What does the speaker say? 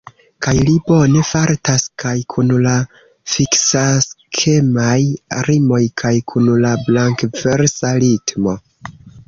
Kaj li bone fartas kaj kun la fiksaskemaj rimoj kaj kun la blankversa ritmo.